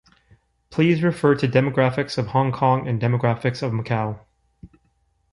Please refer to Demographics of Hong Kong and Demographics of Macau.